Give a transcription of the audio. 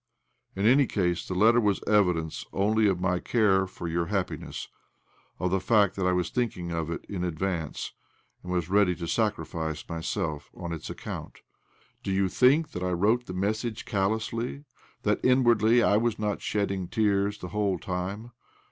" In any case the letter was evidence only of my care for your happiness — lof the fact that I was thinking of it in advance, and was ready to sacrifice myself on its account. Do yon think that I wrote the message callously — that inwardly I was not I90 OBLOMOV shedding tears the whole time?